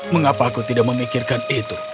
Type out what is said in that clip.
mengapa aku tidak memikirkan itu